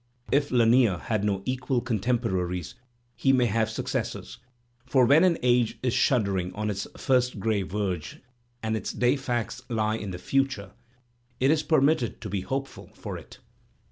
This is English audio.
If Lanier had no equal contemporaries, he may have successors, for when an age is shuddering on its first gray verge and its day facts lie in the future, it is permitted to be hopeful for it.